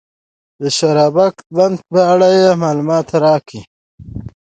د شورابک بند په اړه یې معلومات راکړي دي.